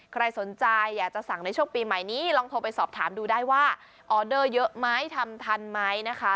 ใครสนใจอยากจะสั่งในช่วงปีใหม่นี้ลองโทรไปสอบถามดูได้ว่าออเดอร์เยอะไหมทำทันไหมนะคะ